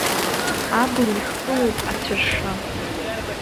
Абла ихкылоуп аҵәыршы.